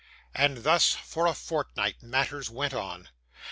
And thus for a fortnight matters went on.